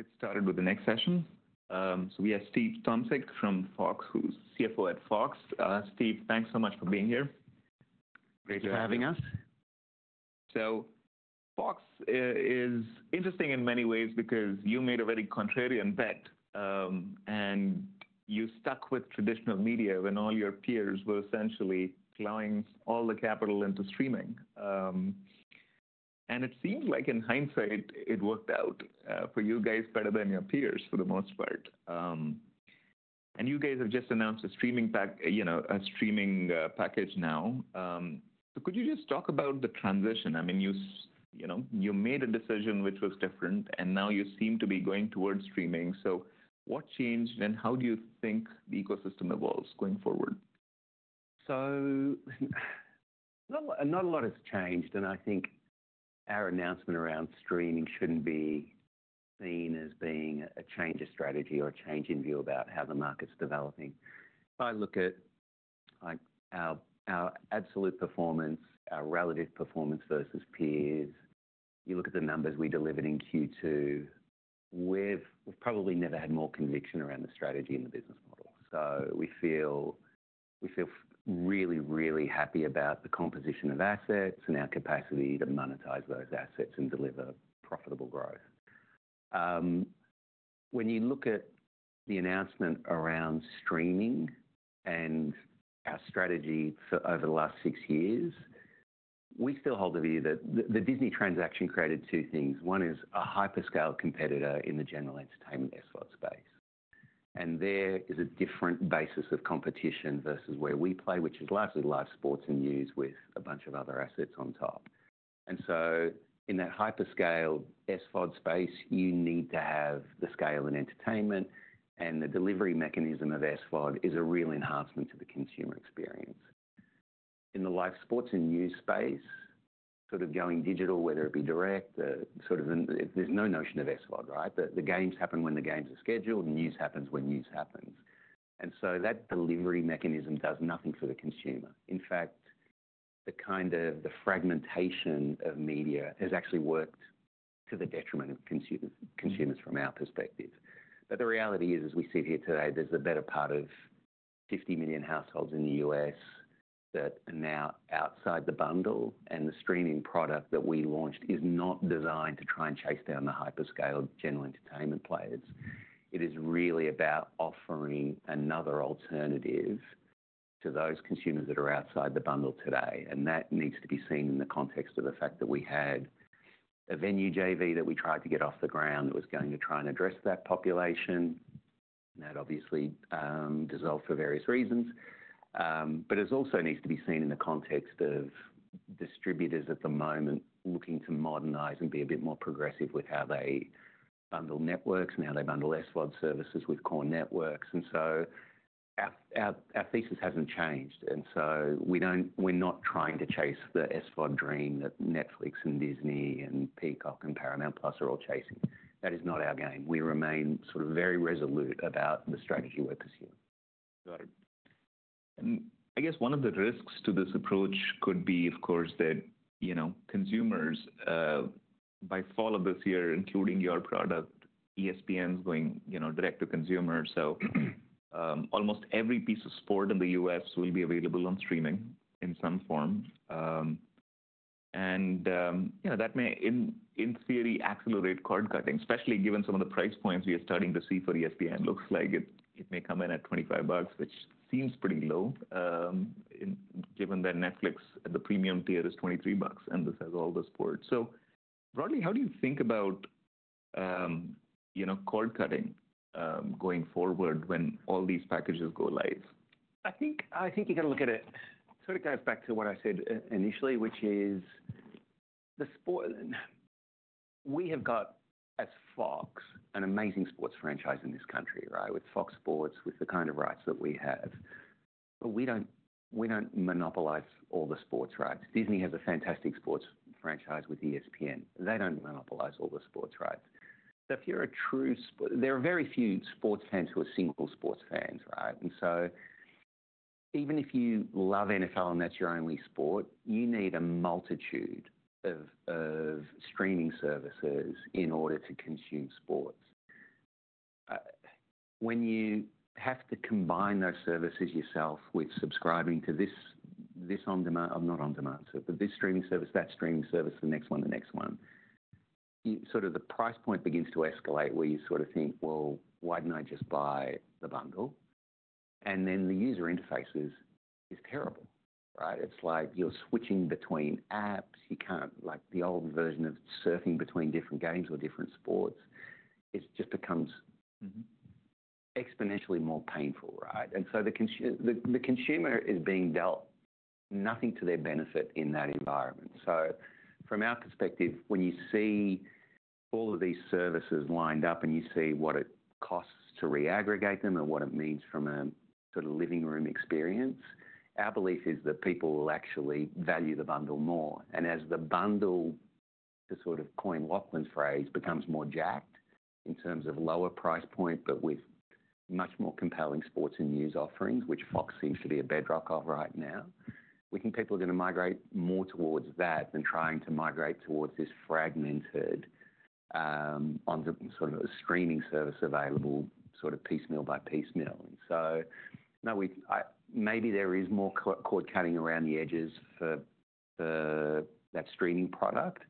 Let's get started with the next session. So we have Steve Tomsic from Fox, who's CFO at Fox. Steve, thanks so much for being here. Thanks for having us. So, Fox is interesting in many ways because you made a very contrarian bet, and you stuck with traditional media when all your peers were essentially plowing all the capital into streaming. And it seems like, in hindsight, it worked out for you guys better than your peers for the most part. And you guys have just announced a streaming package now. So, could you just talk about the transition? I mean, you made a decision which was different, and now you seem to be going towards streaming. So, what changed, and how do you think the ecosystem evolves going forward? So not a lot has changed, and I think our announcement around streaming shouldn't be seen as being a change of strategy or a change in view about how the market's developing. If I look at our absolute performance, our relative performance versus peers, you look at the numbers we delivered in Q2, we've probably never had more conviction around the strategy and the business model. So we feel really, really happy about the composition of assets and our capacity to monetize those assets and deliver profitable growth. When you look at the announcement around streaming and our strategy for over the last six years, we still hold the view that the Disney transaction created two things. One is a hyperscale competitor in the general entertainment and sports space. There is a different basis of competition versus where we play, which is largely live sports and news with a bunch of other assets on top. In that hyperscale SVOD space, you need to have the scale in entertainment, and the delivery mechanism of SVOD is a real enhancement to the consumer experience. In the live sports and news space, sort of going digital, whether it be direct, sort of there's no notion of SVOD, right? The games happen when the games are scheduled, and news happens when news happens. That delivery mechanism does nothing for the consumer. In fact, the kind of fragmentation of media has actually worked to the detriment of consumers from our perspective. But the reality is, as we sit here today, there's a better part of 50 million households in the U.S. that are now outside the bundle, and the streaming product that we launched is not designed to try and chase down the hyperscale general entertainment players. It is really about offering another alternative to those consumers that are outside the bundle today. And that needs to be seen in the context of the fact that we had a venue JV that we tried to get off the ground that was going to try and address that population. That obviously dissolved for various reasons. But it also needs to be seen in the context of distributors at the moment looking to modernize and be a bit more progressive with how they bundle networks and how they bundle SVOD services with core networks. And so our thesis hasn't changed. And so we're not trying to chase the SVOD dream that Netflix and Disney and Peacock and Paramount Plus are all chasing. That is not our game. We remain sort of very resolute about the strategy we're pursuing. Got it. I guess one of the risks to this approach could be, of course, that consumers, by fall of this year, including your product, ESPN's going direct to consumers, so almost every piece of sport in the U.S. will be available on streaming in some form, and that may, in theory, accelerate cord-cutting, especially given some of the price points we are starting to see for ESPN. It looks like it may come in at $25, which seems pretty low given that Netflix at the premium tier is $23, and this has all the sports, so broadly, how do you think about cord-cutting going forward when all these packages go live? I think you're going to look at it sort of goes back to what I said initially, which is we have got, as Fox, an amazing sports franchise in this country, right, with Fox Sports, with the kind of rights that we have. But we don't monopolize all the sports rights. Disney has a fantastic sports franchise with ESPN. They don't monopolize all the sports rights. So if you're a true sport, there are very few sports fans who are single sports fans, right? And so even if you love NFL and that's your only sport, you need a multitude of streaming services in order to consume sports. When you have to combine those services yourself with subscribing to this on-demand. I'm not on-demand, sir, but this streaming service, that streaming service, the next one, the next one, sort of the price point begins to escalate where you sort of think, "Well, why didn't I just buy the bundle?" And then the user interface is terrible, right? It's like you're switching between apps. You can't, like the old version of surfing between different games or different sports, it just becomes exponentially more painful, right? And so the consumer is being dealt nothing to their benefit in that environment. So from our perspective, when you see all of these services lined up and you see what it costs to re-aggregate them and what it means from a sort of living room experience, our belief is that people will actually value the bundle more. As the bundle, to sort of coin Lachlan's phrase, becomes more jacked in terms of lower price point but with much more compelling sports and news offerings, which Fox seems to be a bedrock of right now, people are going to migrate more towards that than trying to migrate towards this fragmented sort of streaming service available sort of piecemeal by piecemeal. And so maybe there is more cord cutting around the edges for that streaming product.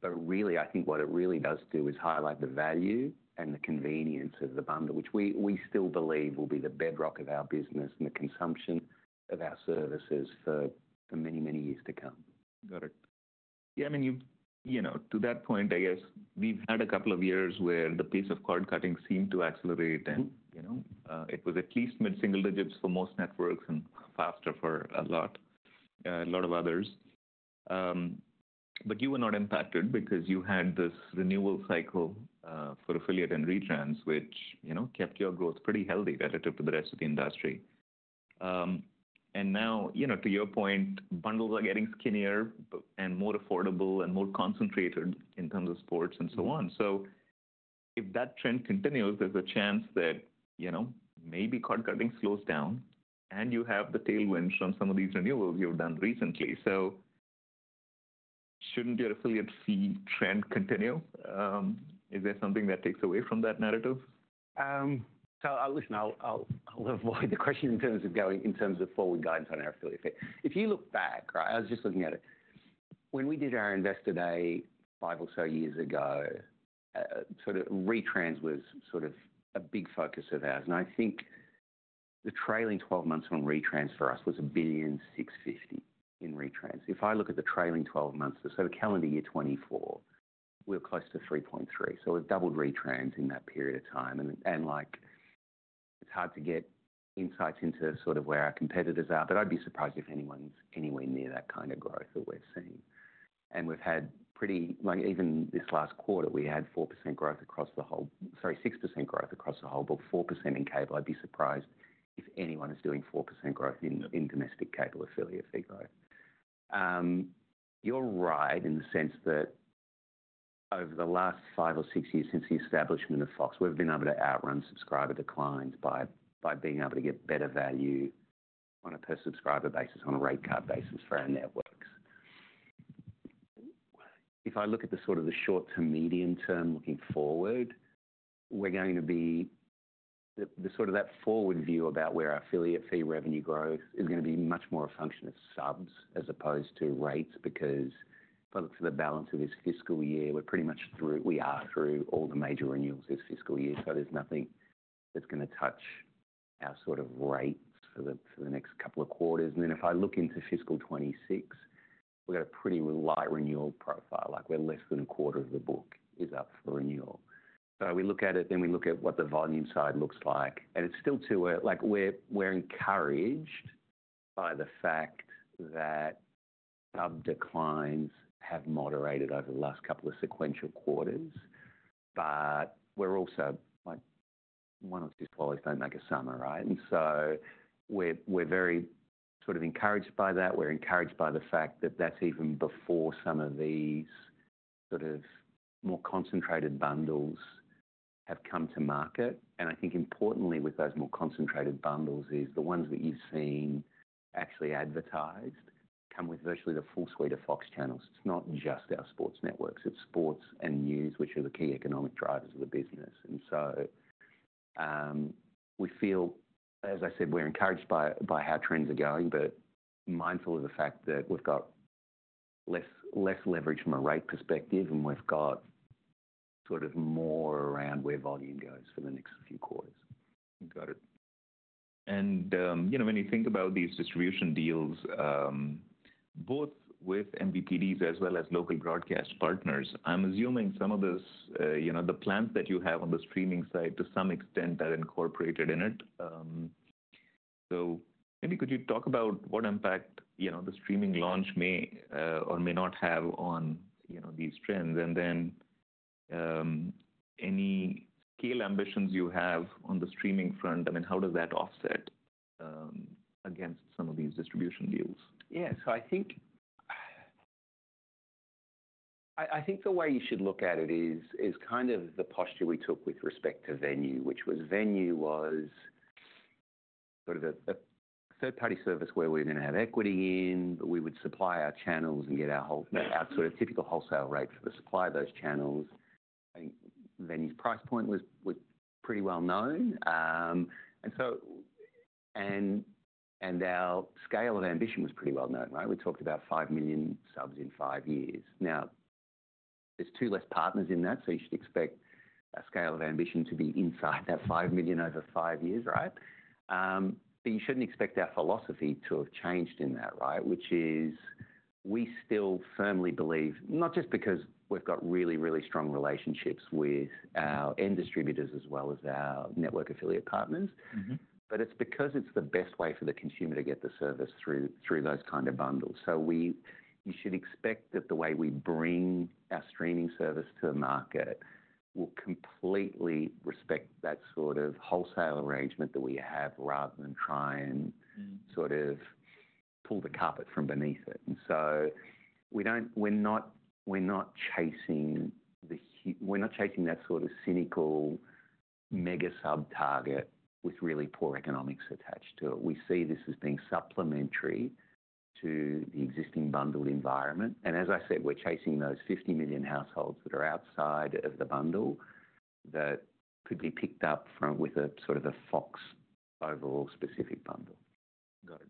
But really, I think what it really does do is highlight the value and the convenience of the bundle, which we still believe will be the bedrock of our business and the consumption of our services for many, many years to come. Got it. Yeah. I mean, to that point, I guess we've had a couple of years where the pace of cord-cutting seemed to accelerate, and it was at least mid-single digits for most networks and faster for a lot of others. But you were not impacted because you had this renewal cycle for affiliate and retrans, which kept your growth pretty healthy relative to the rest of the industry. And now, to your point, bundles are getting skinnier and more affordable and more concentrated in terms of sports and so on. So if that trend continues, there's a chance that maybe cord-cutting slows down and you have the tailwinds from some of these renewals you've done recently. So shouldn't your affiliate fee trend continue? Is there something that takes away from that narrative? So, listen. I'll avoid the question in terms of forward guidance on our affiliate fee. If you look back, right? I was just looking at it. When we did our investor day five or so years ago, sort of retrans was sort of a big focus of ours. And I think the trailing 12 months on retrans for us was $1.65 billion in retrans. If I look at the trailing 12 months, so the calendar year 2024, we're close to $3.3 billion. So we've doubled retrans in that period of time. And it's hard to get insights into sort of where our competitors are, but I'd be surprised if anyone's anywhere near that kind of growth that we've seen. And we've had pretty—even this last quarter, we had 4% growth across the whole—sorry, 6% growth across the whole, but 4% in cable. I'd be surprised if anyone is doing 4% growth in domestic cable affiliate fee growth. You're right in the sense that over the last five or six years since the establishment of Fox, we've been able to outrun subscriber declines by being able to get better value on a per-subscriber basis, on a rate card basis for our networks. If I look at the sort of the short to medium term looking forward, we're going to be, the sort of that forward view about where our affiliate fee revenue growth is going to be much more a function of subs as opposed to rates because if I look for the balance of this fiscal year, we're pretty much through, we are through all the major renewals this fiscal year. So there's nothing that's going to touch our sort of rates for the next couple of quarters. And then if I look into fiscal 2026, we've got a pretty light renewal profile. We're less than a quarter of the book is up for renewal. So we look at it, then we look at what the volume side looks like. And it's still too, we're encouraged by the fact that sub declines have moderated over the last couple of sequential quarters. But we're also, one of these quarters don't make a summer, right? And so we're very sort of encouraged by that. We're encouraged by the fact that that's even before some of these sort of more concentrated bundles have come to market. And I think importantly with those more concentrated bundles is the ones that you've seen actually advertised come with virtually the full suite of Fox channels. It's not just our sports networks. It's sports and news, which are the key economic drivers of the business. And so we feel, as I said, we're encouraged by how trends are going, but mindful of the fact that we've got less leverage from a rate perspective, and we've got sort of more around where volume goes for the next few quarters. Got it. And when you think about these distribution deals, both with MVPDs as well as local broadcast partners, I'm assuming some of the plans that you have on the streaming side to some extent are incorporated in it. So maybe could you talk about what impact the streaming launch may or may not have on these trends? And then any scale ambitions you have on the streaming front? I mean, how does that offset against some of these distribution deals? Yeah. So I think the way you should look at it is kind of the posture we took with respect to Venu, which was Venu was sort of a third-party service where we were going to have equity in, but we would supply our channels and get our sort of typical wholesale rate for the supply of those channels. I think Venu's price point was pretty well known. And our scale of ambition was pretty well known, right? We talked about five million subs in five years. Now, there's two less partners in that, so you should expect our scale of ambition to be inside that five million over five years, right? But you shouldn't expect our philosophy to have changed in that, right? Which is, we still firmly believe, not just because we've got really, really strong relationships with our end distributors as well as our network affiliate partners, but it's because it's the best way for the consumer to get the service through those kind of bundles. So you should expect that the way we bring our streaming service to the market will completely respect that sort of wholesale arrangement that we have rather than try and sort of pull the carpet from beneath it. And so we're not chasing that sort of cynical mega sub target with really poor economics attached to it. We see this as being supplementary to the existing bundled environment. And as I said, we're chasing those 50 million households that are outside of the bundle that could be picked up with a sort of a Fox overall specific bundle. Got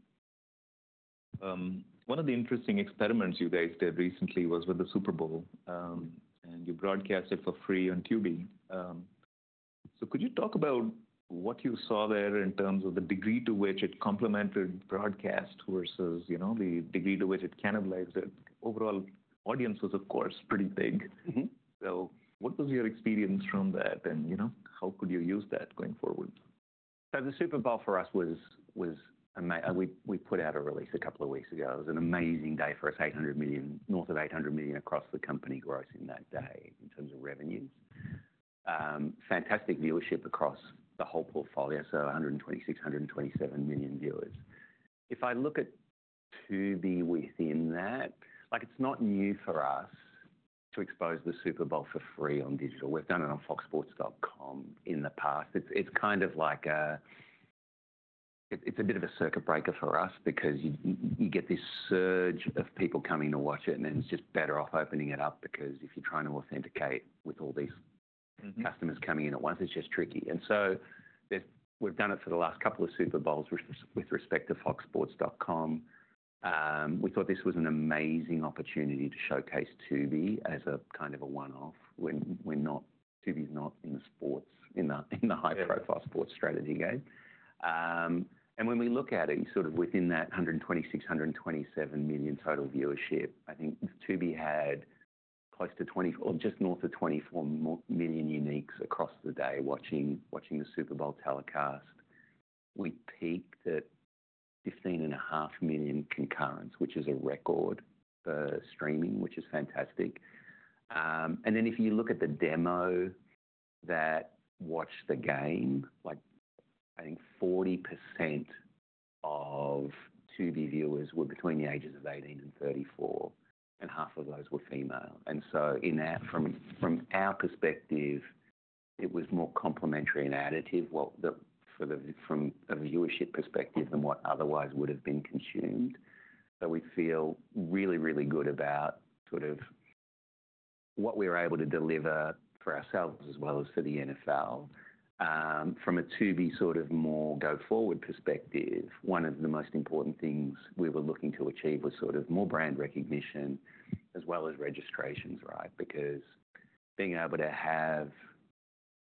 it. One of the interesting experiments you guys did recently was with the Super Bowl, and you broadcast it for free on Tubi. So could you talk about what you saw there in terms of the degree to which it complemented broadcast versus the degree to which it cannibalized it? Overall, audience was, of course, pretty big. So what was your experience from that, and how could you use that going forward? So the Super Bowl for us was, we put out a release a couple of weeks ago. It was an amazing day for us, $800 million, north of $800 million across the company grossing that day in terms of revenues. Fantastic viewership across the whole portfolio, so 126-127 million viewers. If I look at Tubi within that, it's not new for us to expose the Super Bowl for free on digital. We've done it on foxsports.com in the past. It's kind of like a, it's a bit of a circuit breaker for us because you get this surge of people coming to watch it, and then it's just better off opening it up because if you're trying to authenticate with all these customers coming in at once, it's just tricky. And so we've done it for the last couple of Super Bowls with respect to foxsports.com. We thought this was an amazing opportunity to showcase Tubi as a kind of a one-off. Tubi's not in the sports, in the high-profile sports strategy game. And when we look at it, sort of within that 126, 127 million total viewership, I think Tubi had close to 20 or just north of 24 million uniques across the day watching the Super Bowl telecast. We peaked at 15 and a half million concurrents, which is a record for streaming, which is fantastic. And then if you look at the demo that watched the game, I think 40% of Tubi viewers were between the ages of 18 and 34, and half of those were female. And so from our perspective, it was more complementary and additive from a viewership perspective than what otherwise would have been consumed. So we feel really, really good about sort of what we were able to deliver for ourselves as well as for the NFL. From a Tubi sort of more go-forward perspective, one of the most important things we were looking to achieve was sort of more brand recognition as well as registrations, right? Because being able to have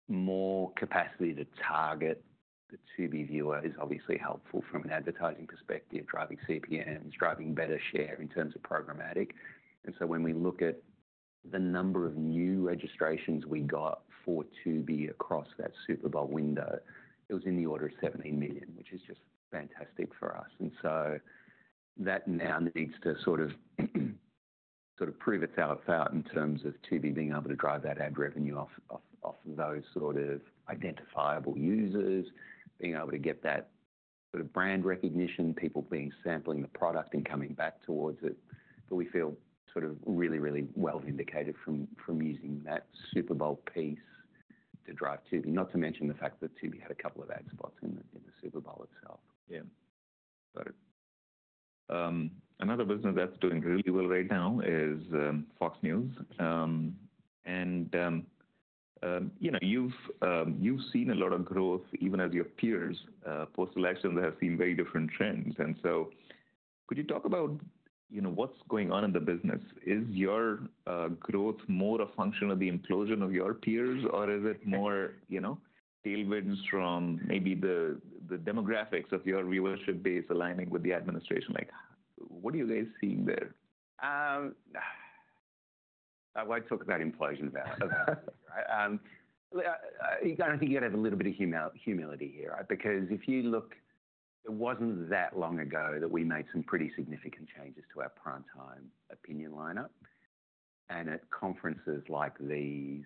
more capacity to target the Tubi viewer is obviously helpful from an advertising perspective, driving CPMs, driving better share in terms of programmatic. And so when we look at the number of new registrations we got for Tubi across that Super Bowl window, it was in the order of 17 million, which is just fantastic for us. And so that now needs to sort of prove its out and about in terms of Tubi being able to drive that ad revenue off those sort of identifiable users, being able to get that sort of brand recognition, people being sampling the product and coming back towards it. But we feel sort of really, really well vindicated from using that Super Bowl piece to drive Tubi, not to mention the fact that Tubi had a couple of ad spots in the Super Bowl itself. Yeah. Got it. Another business that's doing really well right now is Fox News, and you've seen a lot of growth even as your peers post-election that have seen very different trends, and so could you talk about what's going on in the business? Is your growth more a function of the implosion of your peers, or is it more tailwinds from maybe the demographics of your viewership base aligning with the administration? What are you guys seeing there? I won't talk about impression values. I think you got to have a little bit of humility here, right? Because if you look, it wasn't that long ago that we made some pretty significant changes to our primetime opinion lineup. And at conferences like these,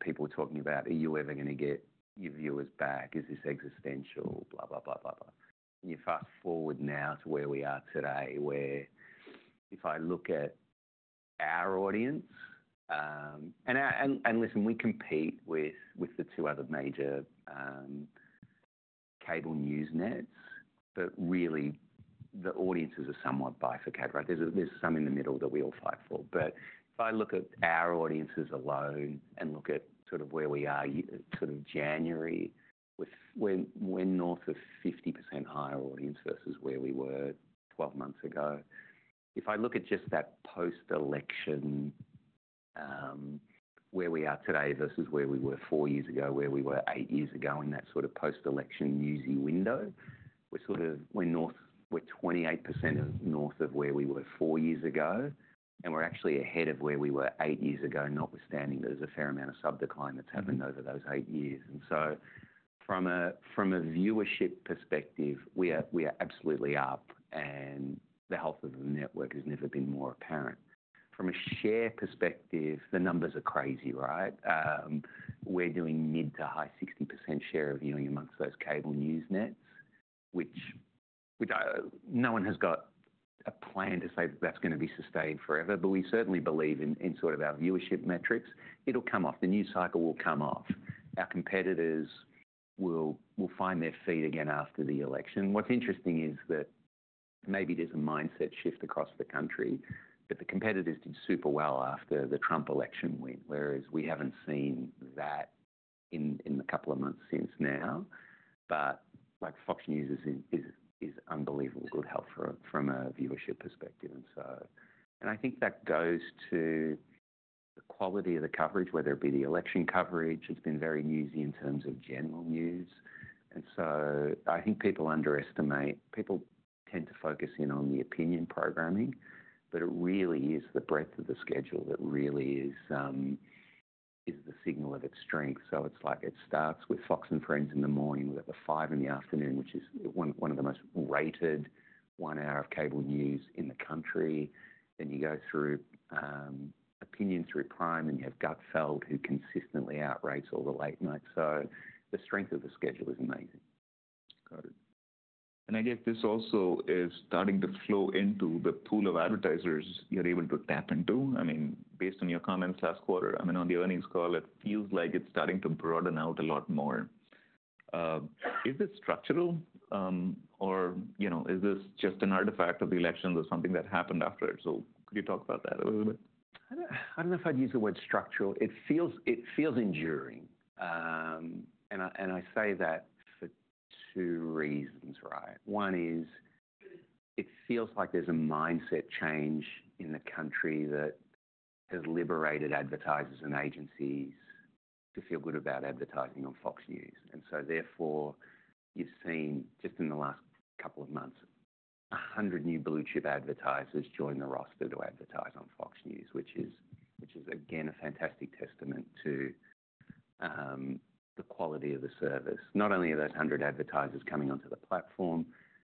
people were talking about, "Are you ever going to get your viewers back? Is this existential? Blah, blah, blah, blah, blah." And you fast forward now to where we are today, where if I look at our audience, and listen, we compete with the two other major cable news nets, but really the audiences are somewhat bifurcated, right? There's some in the middle that we all fight for. But if I look at our audiences alone and look at sort of where we are sort of January, we're north of 50% higher audience versus where we were 12 months ago. If I look at just that post-election where we are today versus where we were four years ago, where we were eight years ago in that sort of post-election newsy window, we're north, we're 28% north of where we were four years ago, and we're actually ahead of where we were eight years ago, notwithstanding there's a fair amount of sub decline that's happened over those eight years, and so from a viewership perspective, we are absolutely up, and the health of the network has never been more apparent. From a share perspective, the numbers are crazy, right? We're doing mid- to high-60% share of viewing among those cable news nets, which no one has got a plan to say that that's going to be sustained forever, but we certainly believe in sort of our viewership metrics. It'll come off. The news cycle will come off. Our competitors will find their feet again after the election. What's interesting is that maybe there's a mindset shift across the country, but the competitors did super well after the Trump election win, whereas we haven't seen that in the couple of months since now, but Fox News is unbelievably good health from a viewership perspective, and I think that goes to the quality of the coverage, whether it be the election coverage, it's been very newsy in terms of general news, and so I think people underestimate, people tend to focus in on the opinion programming, but it really is the breadth of the schedule that really is the signal of its strength, so it's like it starts with Fox & Friends in the morning, we've got The Five in the afternoon, which is one of the most rated one-hour cable news in the country. Then you go through Opinion through Prime, and you have Gutfeld, who consistently outrates all the late nights. So the strength of the schedule is amazing. Got it. And I guess this also is starting to flow into the pool of advertisers you're able to tap into. I mean, based on your comments last quarter, I mean, on the earnings call, it feels like it's starting to broaden out a lot more. Is this structural, or is this just an artifact of the elections or something that happened after it? So could you talk about that a little bit? I don't know if I'd use the word structural. It feels enduring, and I say that for two reasons, right? One is it feels like there's a mindset change in the country that has liberated advertisers and agencies to feel good about advertising on Fox News. And so therefore, you've seen just in the last couple of months, 100 new blue-chip advertisers join the roster to advertise on Fox News, which is, again, a fantastic testament to the quality of the service. Not only are those 100 advertisers coming onto the platform,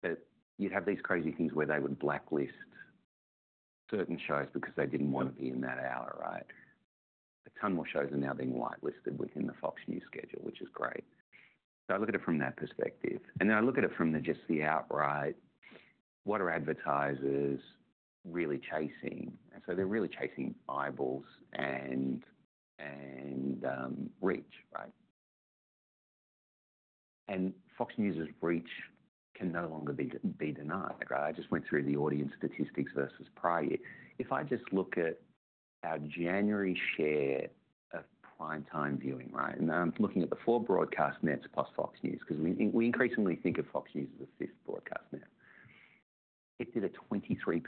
but you'd have these crazy things where they would blacklist certain shows because they didn't want to be in that hour, right? A ton more shows are now being whitelisted within the Fox News schedule, which is great, so I look at it from that perspective. And then I look at it from just the outright, what are advertisers really chasing? And so they're really chasing eyeballs and reach, right? And Fox News's reach can no longer be denied, right? I just went through the audience statistics versus prior year. If I just look at our January share of primetime viewing, right? And I'm looking at the four broadcast nets plus Fox News because we increasingly think of Fox News as a fifth broadcast net. It did a 23%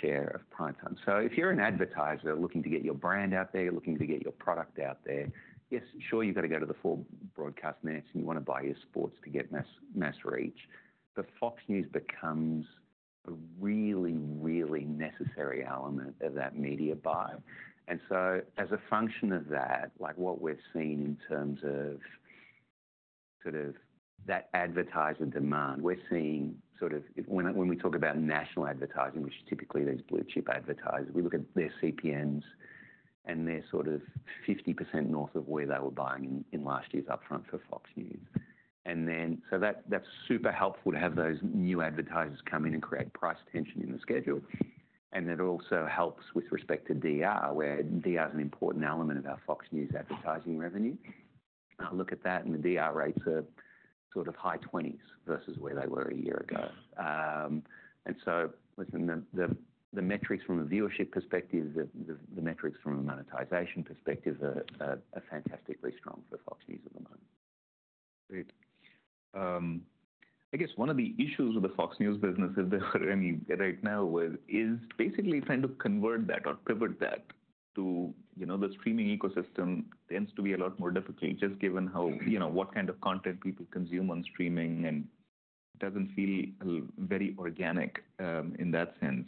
share of primetime. So if you're an advertiser looking to get your brand out there, you're looking to get your product out there, yes, sure, you've got to go to the four broadcast nets, and you want to buy your sports to get mass reach. But Fox News becomes a really, really necessary element of that media buy. As a function of that, like what we're seeing in terms of sort of that advertiser demand, we're seeing sort of when we talk about national advertising, which is typically those blue-chip advertisers, we look at their CPMs, and they're sort of 50% north of where they were buying in last year's upfront for Fox News. That's super helpful to have those new advertisers come in and create price tension in the schedule. It also helps with respect to DR, where DR is an important element of our Fox News advertising revenue. I look at that, and the DR rates are sort of high 20s versus where they were a year ago. Listen, the metrics from a viewership perspective, the metrics from a monetization perspective are fantastically strong for Fox News at the moment. Great. I guess one of the issues with the Fox News business, if there are any, right now is basically trying to convert that or pivot that to the streaming ecosystem tends to be a lot more difficult just given what kind of content people consume on streaming, and it doesn't feel very organic in that sense.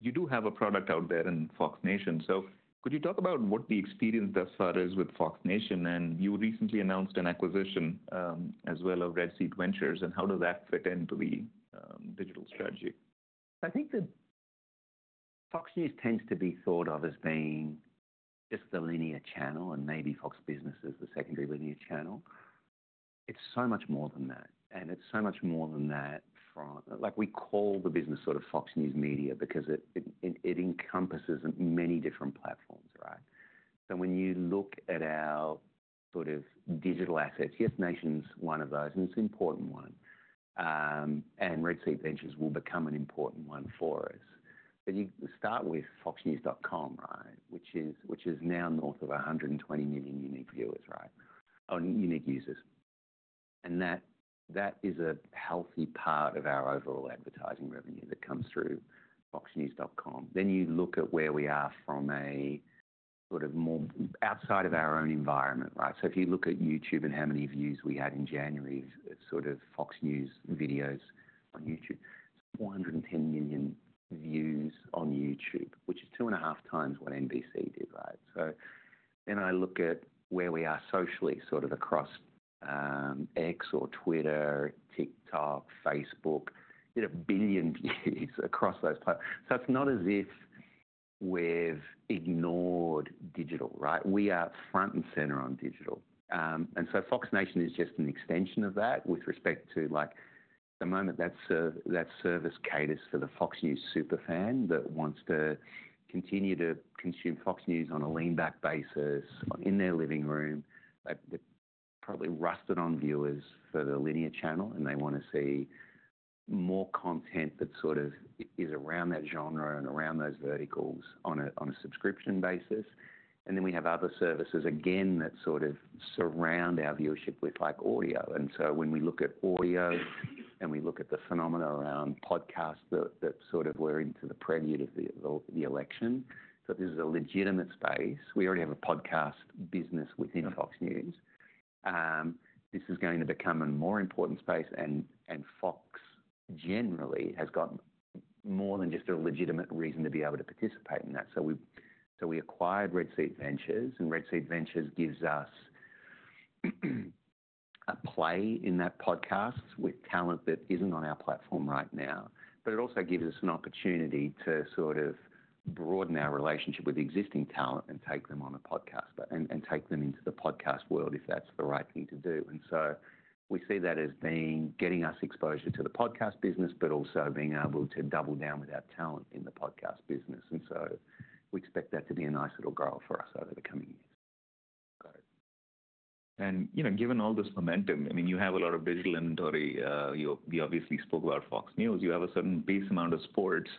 You do have a product out there in Fox Nation. So could you talk about what the experience thus far is with Fox Nation? And you recently announced an acquisition as well of Red Seat Ventures. And how does that fit into the digital strategy? I think that Fox News tends to be thought of as being just the linear channel, and maybe Fox Business is the secondary linear channel. It's so much more than that. And it's so much more than that from what we call the business sort of Fox News Media because it encompasses many different platforms, right? So when you look at our sort of digital assets, yes, Fox Nation is one of those, and it's an important one. And Red Seat Ventures will become an important one for us. But you start with foxnews.com, right, which is now north of 120 million unique viewers, right, or unique users. And that is a healthy part of our overall advertising revenue that comes through foxnews.com. Then you look at where we are from a sort of more outside of our own environment, right? So if you look at YouTube and how many views we had in January of sort of Fox News videos on YouTube, it's 110 million views on YouTube, which is two and a half times what NBC did, right? So then I look at where we are socially sort of across X or Twitter, TikTok, Facebook. You know, billion views across those platforms. So it's not as if we've ignored digital, right? We are front and center on digital. And so Fox Nation is just an extension of that with respect to, like, at the moment, that service caters for the Fox News superfan that wants to continue to consume Fox News on a lean-back basis in their living room. They're probably rusted on viewers for the linear channel, and they want to see more content that sort of is around that genre and around those verticals on a subscription basis. And then we have other services, again, that sort of surround our viewership with, like, audio. And so when we look at audio and we look at the phenomena around podcasts that sort of were into the preceding of the election, so this is a legitimate space. We already have a podcast business within Fox News. This is going to become a more important space. And Fox generally has got more than just a legitimate reason to be able to participate in that. So we acquired Red Seat Ventures, and Red Seat Ventures gives us a play in that podcast with talent that isn't on our platform right now. But it also gives us an opportunity to sort of broaden our relationship with existing talent and take them on a podcast and take them into the podcast world if that's the right thing to do. And so we see that as being getting us exposure to the podcast business, but also being able to double down with our talent in the podcast business. And so we expect that to be a nice little growth for us over the coming years. Got it and given all this momentum, I mean, you have a lot of digital inventory. We obviously spoke about Fox News. You have a certain base amount of sports.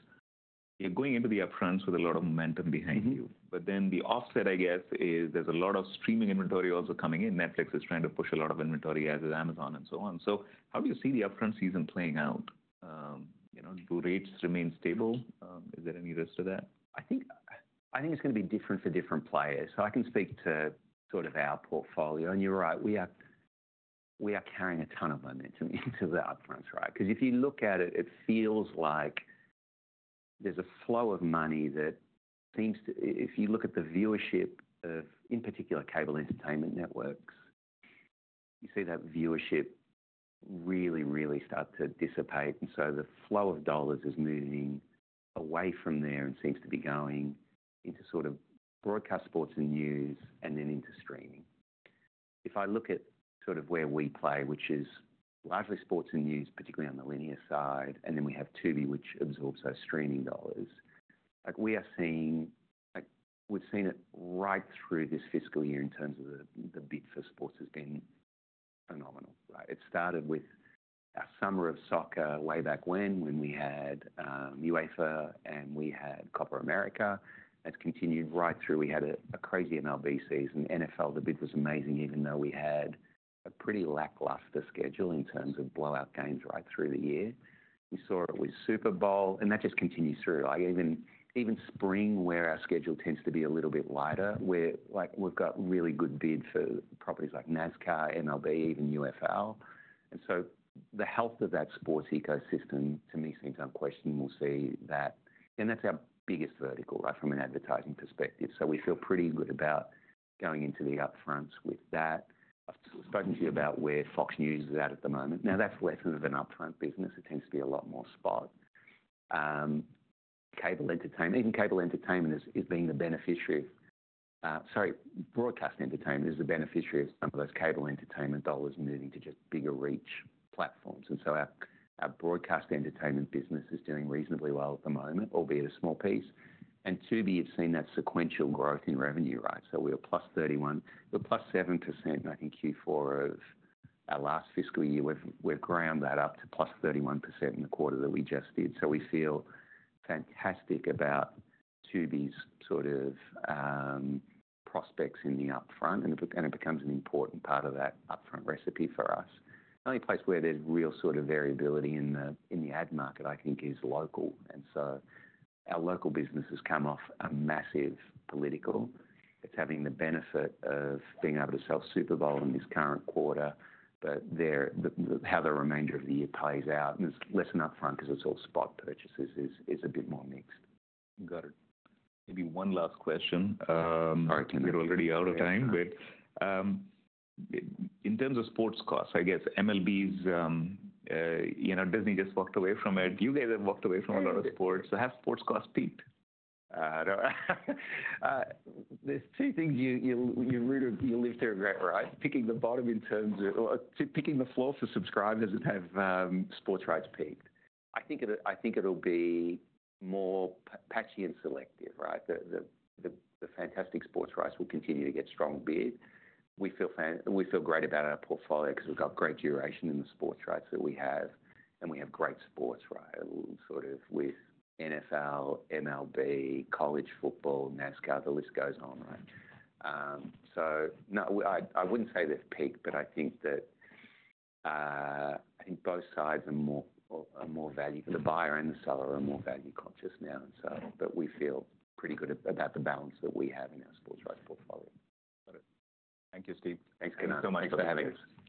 You're going into the Upfront with a lot of momentum behind you but then the offset, I guess, is there's a lot of streaming inventory also coming in. Netflix is trying to push a lot of inventory, as is Amazon and so on, so how do you see the Upfront season playing out? Do rates remain stable? Is there any risk to that? I think it's going to be different for different players. So I can speak to sort of our portfolio. And you're right. We are carrying a ton of momentum into the upfront, right? Because if you look at it, it feels like there's a flow of money that seems to, if you look at the viewership of, in particular, cable entertainment networks, you see that viewership really, really start to dissipate. And so the flow of dollars is moving away from there and seems to be going into sort of broadcast, sports, and news, and then into streaming. If I look at sort of where we play, which is largely sports and news, particularly on the linear side, and then we have Tubi, which absorbs those streaming dollars, we are seeing, we've seen it right through this fiscal year in terms of the bid for sports has been phenomenal, right? It started with our Summer of Soccer way back when we had UEFA and we had Copa América. It's continued right through. We had a crazy MLB season. NFL, the bid was amazing, even though we had a pretty lackluster schedule in terms of blowout games right through the year. We saw it with Super Bowl, and that just continues through. Even spring, where our schedule tends to be a little bit lighter, we've got really good bid for properties like NASCAR, MLB, even UFL. And so the health of that sports ecosystem, to me, seems unquestionable. We'll see that, and that's our biggest vertical, right, from an advertising perspective. So we feel pretty good about going into the upfront with that. I've spoken to you about where Fox News is at the moment. Now, that's less of an upfront business. It tends to be a lot more spot. Cable entertainment, even cable entertainment, is being the beneficiary of, sorry, broadcast entertainment is the beneficiary of some of those cable entertainment dollars moving to just bigger reach platforms. And so our broadcast entertainment business is doing reasonably well at the moment, albeit a small piece. And Tubi has seen that sequential growth in revenue, right? So we were plus 31. We were plus 7%, I think, Q4 of our last fiscal year. We've grown that up to plus 31% in the quarter that we just did. So we feel fantastic about Tubi's sort of prospects in the upfront. And it becomes an important part of that upfront recipe for us. The only place where there's real sort of variability in the ad market, I think, is local. And so our local business has come off a massive political. It's having the benefit of being able to sell Super Bowl in this current quarter, but how the remainder of the year plays out, and it's less an upfront because it's all spot purchases, is a bit more mixed. Got it. Maybe one last question. Sorry, Tim. We're already out of time. But in terms of sports costs, I guess MLB's. Disney just walked away from it. You guys have walked away from a lot of sports. So has sports costs peaked? There's two things. You really lived there, right? Right? Picking the bottom in terms of picking the floor for subscribers, and have sports rights peaked? I think it'll be more patchy and selective, right? The fantastic sports rights will continue to get strong bids. We feel great about our portfolio because we've got great duration in the sports rights that we have, and we have great sports, right, sort of with NFL, MLB, college football, NASCAR. The list goes on, right, so no, I wouldn't say they've peaked, but I think that both sides are more valuable. The buyer and the seller are more value-conscious now, and so, but we feel pretty good about the balance that we have in our sports rights portfolio. Got it. Thank you, Steve. Thanks so much for having us.